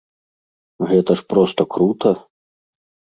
Гэта ж проста крута!